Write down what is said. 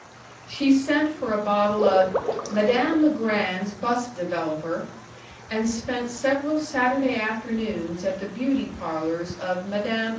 She sent for a bottle of "Mme. LeGrand's Bust Developer," and spent several Saturday afternoons at the beauty parlors of Mme.